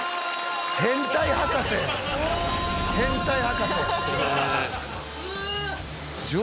「変態博士変態博士や」